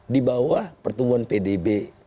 di bawah pertumbuhan pdb